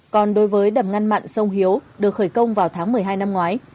còn đối với đầm ngăn mặn sông hiếu được khởi công vào tháng một mươi hai năm ngoái